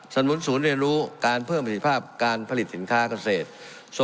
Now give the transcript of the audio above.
นุนศูนย์เรียนรู้การเพิ่มประสิทธิภาพการผลิตสินค้าเกษตร